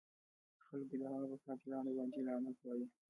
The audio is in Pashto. خلکو د هغه په قاتلانو باندې لعنت وایه.